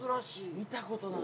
見たことない。